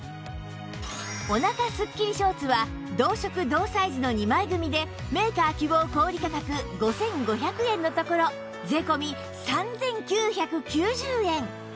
お腹すっきりショーツは同色同サイズの２枚組でメーカー希望小売価格５５００円のところ税込３９９０円